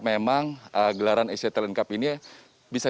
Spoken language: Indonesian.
memang gelaran asia talent cup ini bisa